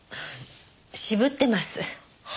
渋ってます。